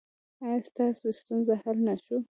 ایا ستاسو ستونزې حل نه شوې؟